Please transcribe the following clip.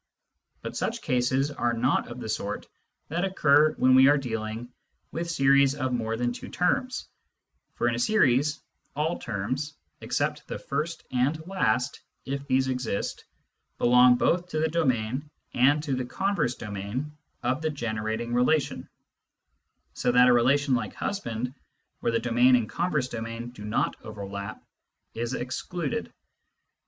But such cases are not of the sort that occur when we are dealing with series of more than two terms ; for in a series, all terms, except the first and last (if these exist), belong both to the domain and to the converse domain of the generating relation, so that a relation like husband, where the domain and converse domain do not overlap, is excluded.